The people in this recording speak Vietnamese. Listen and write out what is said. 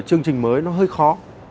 chương trình mới nó hơi khó